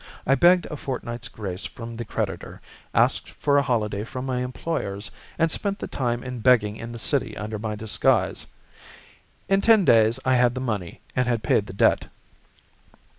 I begged a fortnight's grace from the creditor, asked for a holiday from my employers, and spent the time in begging in the City under my disguise. In ten days I had the money and had paid the debt.